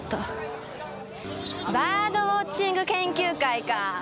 バードウォッチング研究会か。